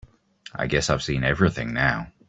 I guess I've seen everything now.